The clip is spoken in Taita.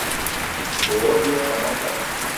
Ndee obia sa mwachaka.